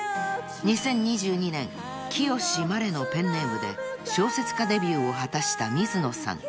２０２２年清志まれのペンネームで小説家デビューを果たした水野さん］